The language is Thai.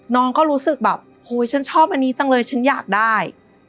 น้องก็รู้สึกแบบโหฉันชอบอันนี้จังเลยฉันอยากได้